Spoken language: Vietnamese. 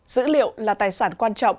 dữ liệu là tài sản quan trọng